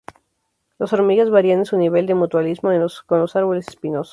Las hormigas varían en su nivel de mutualismo con los árboles espinosos.